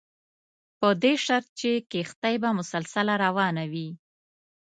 په دې شرط چې کښتۍ به مسلسله روانه وي.